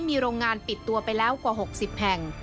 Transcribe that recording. มีโรงงานปิดตัวไปแล้วกว่า๖๐แห่ง